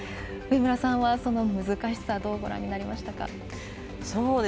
上村さんはその難しさどうご覧になりましたか？